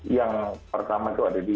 yang pertama itu ada di